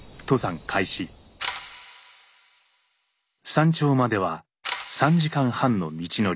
山頂までは３時間半の道のり。